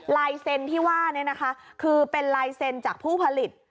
ลายเซ็นที่ว่าคือเป็นลายเซ็นจากผู้ผลิต